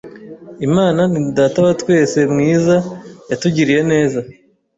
Imana ni Data wa twese mwiza, yatugiriye neza